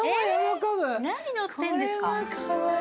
何のってんですか？